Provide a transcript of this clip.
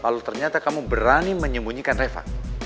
kalau ternyata kamu berani menyembunyikan refa